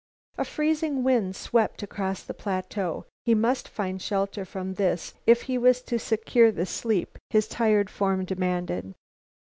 A freezing wind swept across the plateau. He must find shelter from this if he was to secure the sleep his tired form demanded.